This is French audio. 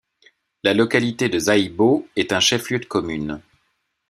La localité de Zaïbo est un chef-lieu de commune.